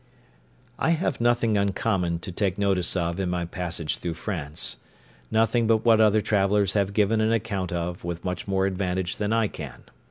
I have nothing uncommon to take notice of in my passage through France—nothing but what other travellers have given an account of with much more advantage than I can.